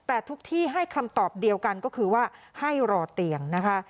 แต่ทุกที่ให้คำตอบเดียวกันก็คือว่าให้รอเตียงนะคะ